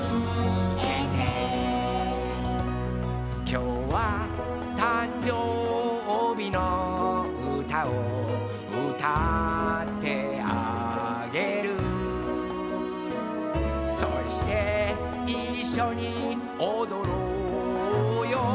「きょうはたんじょうびのうたをうたってあげる」「そしていっしょにおどろうようでをくんで、、、」